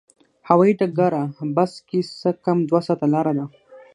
هوایي ډګره بس کې څه کم دوه ساعته لاره ده.